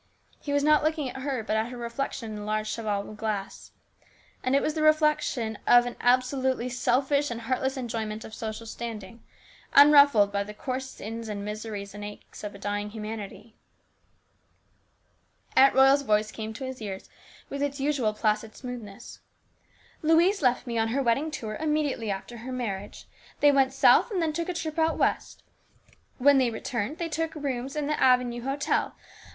He was not looking at her, but at her reflection in the large cheval glass. And it was the reflection of an absolutely selfish and heartless enjoyment of social standing, unruffled by the coarse sins and miseries and aches of a dying humanity. 296 HIS BROTHER'S KEEPER. Aunt Royal's voice came to his ears with its usual placid smoothness. " Louise left me on her wedding tour immediately after her marriage. They went South and then took a trip out West. When they returned they took rooms in the Avenue Hotel.